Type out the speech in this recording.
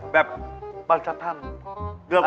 แบบราชธรรม